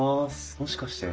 もしかして？